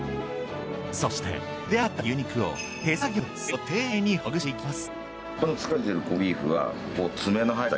そして茹で上がった牛肉を手作業で繊維を丁寧にほぐしていきます。